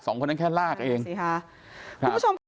สองคนนั้นแค่ลากเองใช่ค่ะคุณผู้ชม